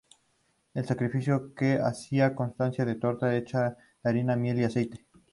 El sacrificio que hacían consistía en una torta hecha de harina, miel y aceite.